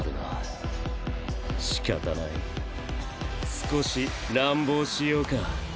少し乱暴しようか。